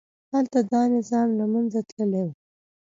هلته دا نظام له منځه تللي وو.